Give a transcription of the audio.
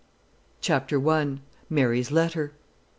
CHAPTER I. MARY'S LETTER.